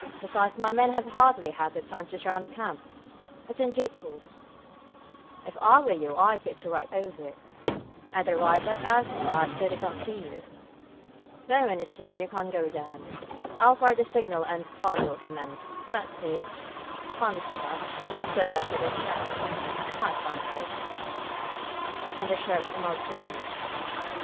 Besides, my men have hardly had time to surround the camp. It's in deep woods. If I were you I'd get right over it, and then rise up out of sight so they can't see you. Then, when it's noon you can go down, I'll fire the signal and the fun will commence that is, fun for us, but not so much for those chaps, I fancy," and the sheriff smiled grimly.